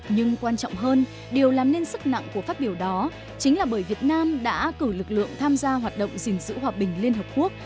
nhưng quan trọng hơn điều làm nên sức nặng của phát biểu đó chính là bởi việt nam đã cử lực lượng tham gia hoạt động gìn giữ hòa bình liên hợp quốc